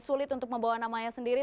sulit untuk membawa namanya sendiri